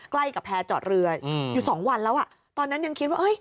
ใกล้กับแพร่จอดเรืออยู่๒วันแล้วตอนนั้นยังคิดว่า